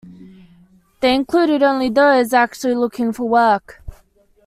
They include only those actually looking for work.